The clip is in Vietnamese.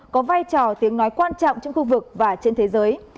có vai trò tiếng nói quan trọng trong khu vực và trên thế giới